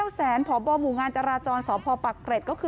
แล้วก็ความเด็กค่ะ